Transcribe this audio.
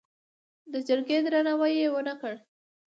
د جرګې درناوی یې ونه کړ.